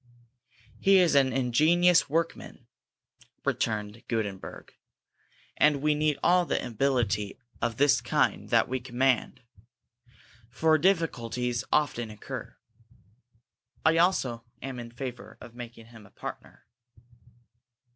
"He is an ingenious workman," returned Gutenberg, "and we need all the ability of this kind that we can command, for difficulties often occur. I also am in favor of making him a partner."